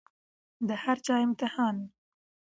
د هر چا امتحان